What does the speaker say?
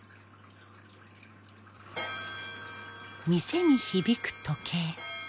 店に響く時計。